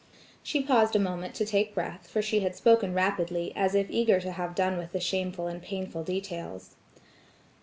She paused a moment to take breath, for she had spoken rapidly, as if eager to have done with the shameful and painful details.